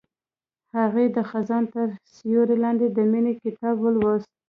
هغې د خزان تر سیوري لاندې د مینې کتاب ولوست.